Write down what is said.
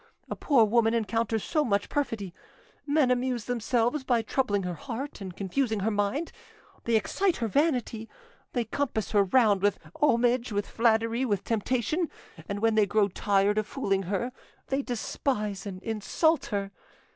A poor woman encounters so much perfidy. Men amuse themselves by troubling her heart and confusing her mind; they excite her vanity, they compass her round with homage, with flattery, with temptation, and when they grow tired of fooling her, they despise and insult her.